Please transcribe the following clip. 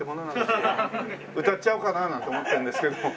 歌っちゃおうかななんて思ってるんですけど。